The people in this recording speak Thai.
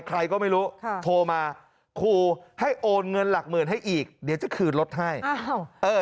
ใครก็ไม่รู้ค่ะโทรมาขู่ให้โอนเงินหลักหมื่นให้อีกเดี๋ยวจะคืนรถให้อ้าวเออ